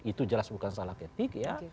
itu jelas bukan salah etik ya